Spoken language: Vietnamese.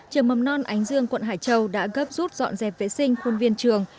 trường mầm non ánh dương quận hải châu đã gấp rút dọn dẹp vệ sinh khuôn viên trường